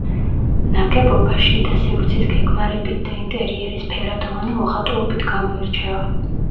ნაგებობა შიდა სივრცის გეგმარებით და ინტერიერის ფერადოვანი მოხატულობით გამოირჩევა.